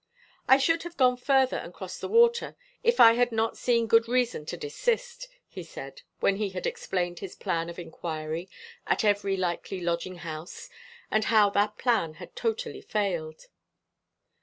"I should have gone further and crossed the water, if I had not seen good reason to desist," he said, when he had explained his plan of inquiry at every likely lodging house, and how that plan had totally failed.